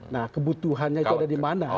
nah kebutuhannya itu ada di mana